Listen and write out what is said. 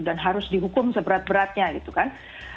dan harus dihukum seberat beratnya gitu kan